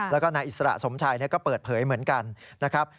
แล้วก็นายอิสระสมชัยก็เปิดเผยเหมือนกันนะครับ